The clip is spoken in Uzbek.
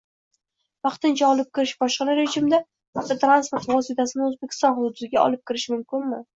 “vaqtincha olib kirish” bojxona rejimida avtotransport vositasini O’zbekiston hududiga olib kirishi mumkinmi?